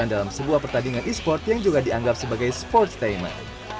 dan dalam sebuah pertandingan esports yang juga dianggap sebagai sports entertainment